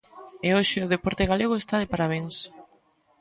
E hoxe o deporte galego está de parabéns.